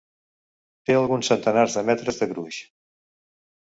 Té alguns centenars de metres de gruix.